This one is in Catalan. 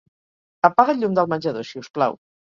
Apaga el llum del menjador, si us plau.